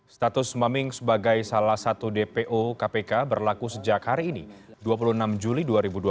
status maming sebagai salah satu dpo kpk berlaku sejak hari ini dua puluh enam juli dua ribu dua puluh